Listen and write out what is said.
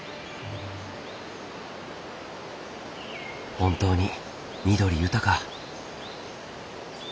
本当に緑豊か。